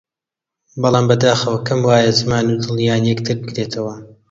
بەڵام بەداخەوە کەم وایە زمان و دڵیان یەکتر بگرێتەوە!